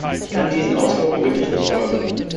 Ich kann diesen Ausführungen wirklich nicht folgen.